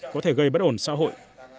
có thể gây bất ổn xã hội